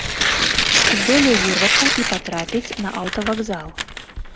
Здолеў вырвацца і патрапіць на аўтавакзал.